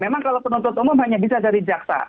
memang kalau penuntut umum hanya bisa dari jaksa